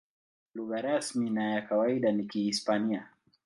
Lugha rasmi na ya kawaida ni Kihispania.